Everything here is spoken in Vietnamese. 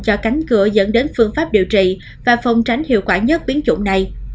cho cánh cửa dẫn đến phương pháp điều trị và phòng tránh hiệu quả nhất biến chủng này